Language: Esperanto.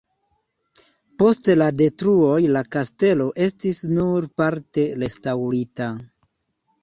Post la detruoj la kastelo estis nur parte restaŭrita.